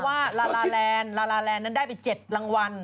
ว่าลาลาแลนด์ลาลาแลนดนั้นได้ไป๗รางวัล